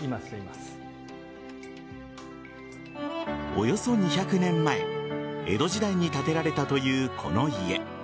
およそ２００年前江戸時代に建てられたというこの家。